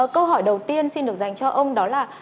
câu hỏi đầu tiên xin được dành cho ông đó là